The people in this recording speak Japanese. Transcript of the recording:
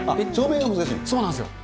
そうなんですよ。